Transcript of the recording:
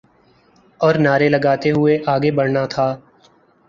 اورنعرے لگاتے ہوئے آگے بڑھنا تھا۔